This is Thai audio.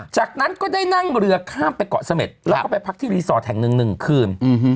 จากนั้นก็ได้นั่งเรือข้ามไปเกาะเสม็ดแล้วก็ไปพักที่รีสอร์ทแห่งหนึ่ง๑คืน